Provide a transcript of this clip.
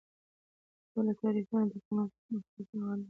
ټول تعريفونه او د کمال صفتونه خاص هغه الله لره دي